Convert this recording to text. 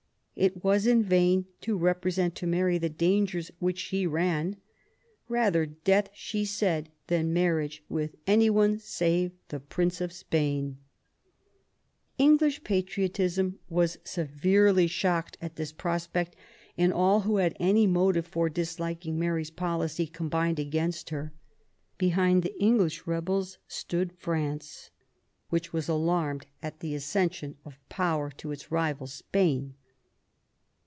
It was in vain to represent to Mary the dangers which she ran. 26 QUEEN ELIZABETH, " Rather death," she said, *' than marriage with any one save the Prince of Spain/' English patriotism was severely shocked at this prospect, and all who had any motive for disliking Mary's policy combined against her. Behind the English rebels stood France, which was alarmed at the accession of power to its rival, Spain.